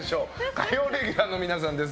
火曜レギュラーの皆さんです。